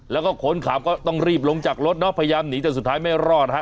แล้วก็คนขับก็ต้องรีบลงจากรถเนาะพยายามหนีแต่สุดท้ายไม่รอดฮะ